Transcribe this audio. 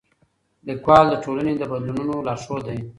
لیکوال د ټولنې د بدلونونو لارښود دی.